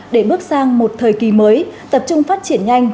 để bước sang một thời kỳ mới tập trung phát triển nhanh